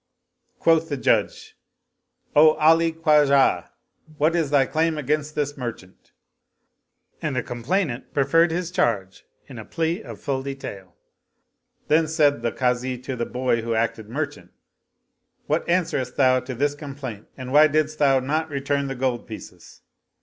Quoth the Judge, "O Ali Khwajah, what is thy claim against this merchant?" and the complainant preferred his charge in a plea of full detail. Then said the Kazi to the boy who acted merchant, " What answerest thou to this complaint and why didst thou not return the gold pieces